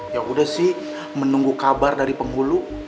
ya udah sih menunggu kabar dari penghulu